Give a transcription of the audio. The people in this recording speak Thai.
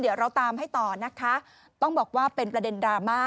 เดี๋ยวเราตามให้ต่อนะคะต้องบอกว่าเป็นประเด็นดราม่า